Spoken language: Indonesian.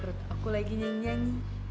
terus aku lagi nyanyi nyanyi